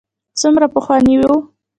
څومره پخواني یو.